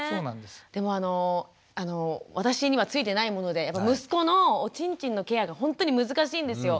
でもあの私にはついてないもので息子のおちんちんのケアがほんとに難しいんですよ。